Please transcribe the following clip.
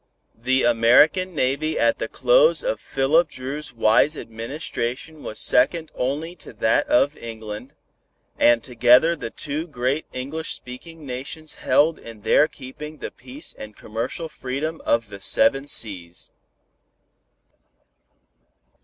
The American Navy at the close of Philip Dru's wise administration was second only to that of England, and together the two great English speaking nations held in their keeping the peace and commercial freedom of the Seven Seas.